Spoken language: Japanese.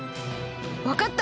わかった！